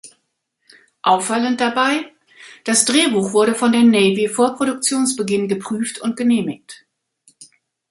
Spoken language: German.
Auffallend dabei: Das Drehbuch wurde von der Navy vor Produktionsbeginn geprüft und genehmigt.